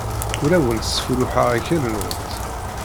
Ur awent-sfulluḥeɣ akal-nwent.